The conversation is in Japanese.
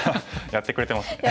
やってくれてますね。